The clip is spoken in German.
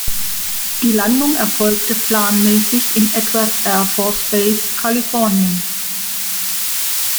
Die Landung erfolgte planmäßig in Edwards Air Force Base, Kalifornien.